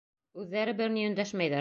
Үҙҙәре бер ни өндәшмәйҙәр.